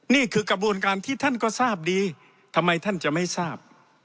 นี่คือกระบวนการที่ท่านก็ทราบดีทำไมท่านจะไม่ทราบ